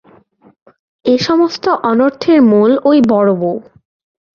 এ সমস্ত অনর্থের মূল ওই বড়োবউ।